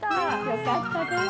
よかったです。